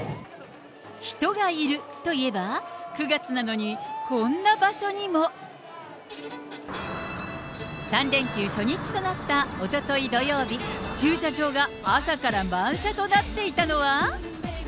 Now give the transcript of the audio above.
人がいる、といえば、９月なのにこんな場所にも。３連休初日となったおととい土曜日、駐車場が朝から満車となっていたのは。